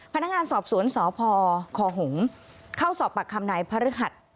พนักงานสอบสวนสพคหงษ์เข้าสอบปากคำนายพระฤหัส